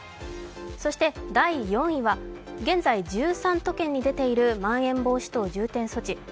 第４位は、現在１３都県に出ているまん延防止等重点措置。